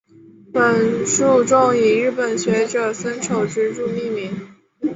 本树种以日本学者森丑之助命名。